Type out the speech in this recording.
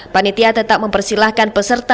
panitia tetap mempersilahkan peserta